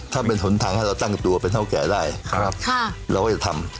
ถ้าเป็นหนทางให้เราตั้งตัวเป็นเท่าแก่ได้นะครับเราก็จะทำ